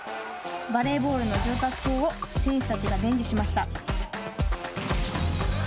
バレーボールの上達法を選手たちが伝授しました。